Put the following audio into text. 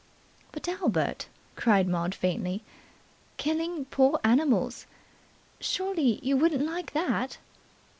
"But, Albert," cried Maud faintly. "Killing poor animals. Surely you wouldn't like that?"